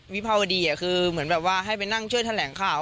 วิภาวดีคือเหมือนแบบว่าให้ไปนั่งช่วยแถลงข่าว